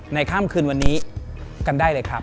ข้ามคืนวันนี้กันได้เลยครับ